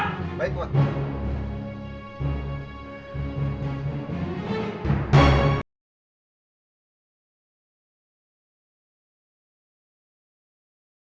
sampai jumpa lagi